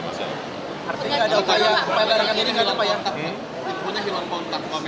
artinya ada upaya upaya garangkan dirinya enggak ada upaya